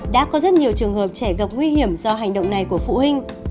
đã có rất nhiều trường hợp trẻ gặp nguy hiểm do hành động này của phụ huynh